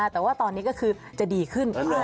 แต่ว่าตอนนี้ก็คือจะดีขึ้น